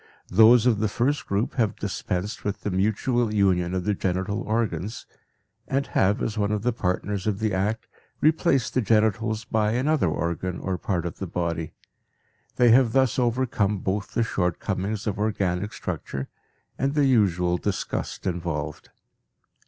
Those of the first group have dispensed with the mutual union of the genital organs, and have, as one of the partners of the act, replaced the genitals by another organ or part of the body; they have thus overcome both the short comings of organic structure and the usual disgust involved.